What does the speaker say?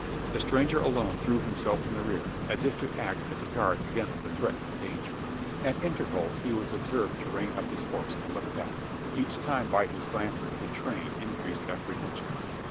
The stranger alone threw himself in the rear as if to act as a guard against the threatening danger. At intervals he was observed to rein up his horse, and look back: each time by his glances betraying increased apprehension.